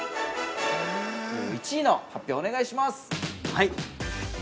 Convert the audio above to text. ◆１位の発表をお願いします。